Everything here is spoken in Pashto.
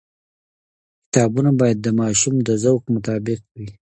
کتابونه باید د ماشوم د ذوق مطابق وي.